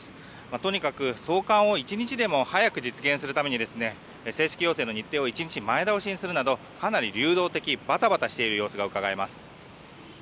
とにかく送還を一日でも早く実現するために正式要請の日程を１日前倒しにするなどかなり流動的、バタバタしている様子がうかがえます。